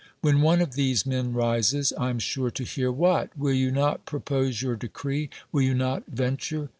When one of these men rises, I am sure to hear. "What! will you not ])ropose your deci ee? will you not venture?